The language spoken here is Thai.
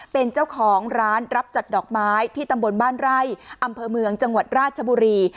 เป็นเจ้าของร้านรับจัดดอกไม้ที่ตำบลบ้านไร่อำเภอเมืองจังหวัดราชบุรี